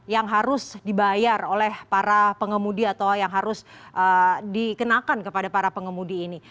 yang harus dibayar oleh para pengemudi atau yang harus dikenakan kepada para pengemudi ini